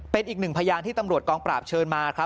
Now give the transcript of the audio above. เป็นอีกหนึ่งพยานที่ตำรวจกองปราบเชิญมาครับ